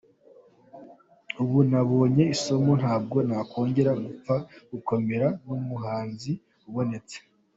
Ubu nabonye isomo ntabwo nakongera gupfa gukorana numuhanzi ubonetse.